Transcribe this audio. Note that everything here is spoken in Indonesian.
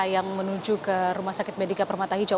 yang menuju ke rumah sakit medika permata hijau